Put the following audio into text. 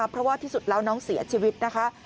เพราะว่าที่สุดแล้วน้องเสียชีวิตนะคะ